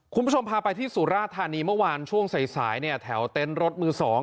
คุณผู้ชมพาไปที่สุราธานีเมื่อวานช่วงสายเนี่ยแถวเต็นต์รถมือ๒